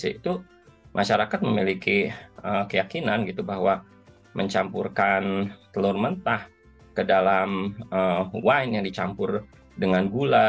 itu masyarakat memiliki keyakinan gitu bahwa mencampurkan telur mentah ke dalam wine yang dicampur dengan gula